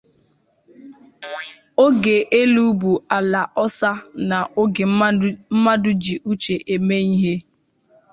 oge elu bụ ala ọsa na oge mmadụ ji uche eme ihe